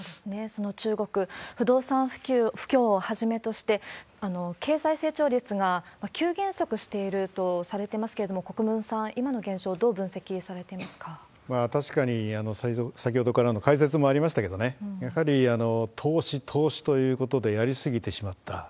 その中国、不動産不況をはじめとして、経済成長率が急減速しているとされてますけれども、国分さん、今の現状、確かに、先ほどからの解説もありましたけどね、やはり投資、投資ということでやり過ぎてしまった。